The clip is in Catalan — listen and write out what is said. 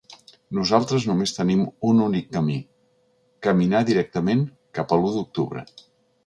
Nosaltres només tenim un únic camí: caminar directament cap a l’u d’octubre.